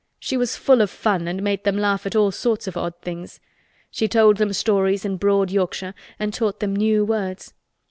She was full of fun and made them laugh at all sorts of odd things. She told them stories in broad Yorkshire and taught them new words.